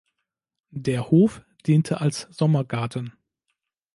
Der Hof diente als Sommergarten.